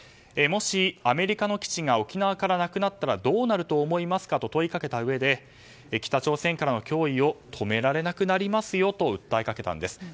もしアメリカの基地が沖縄からなくなったらどうなると思いますか？と問いかけたうえで北朝鮮からの脅威を止められなくなりますよと訴えかけたんです。